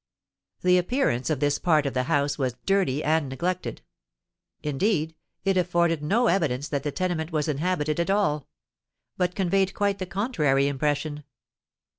The appearance of this part of the house was dirty and neglected. Indeed, it afforded no evidence that the tenement was inhabited at all; but conveyed quite the contrary impression.